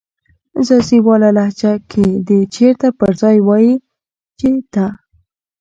ځاځيواله لهجه کې د "چیرته" پر ځای وایې "چیته"